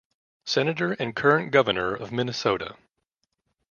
Senator and current Governor of Minnesota.